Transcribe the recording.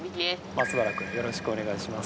松原君よろしくお願いします。